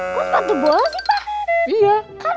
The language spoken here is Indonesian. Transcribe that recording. kok sepatu bola sih pak